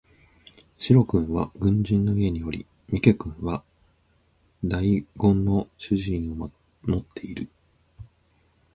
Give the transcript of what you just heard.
白君は軍人の家におり三毛君は代言の主人を持っている